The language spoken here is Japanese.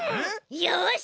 よし！